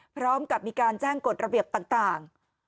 พร้อมกับมีการแจ้งกฎระเบียบต่าง